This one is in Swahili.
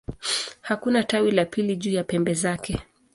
Hakuna tawi la pili juu ya pembe zake.